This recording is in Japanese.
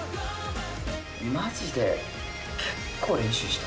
マジで、結構練習した。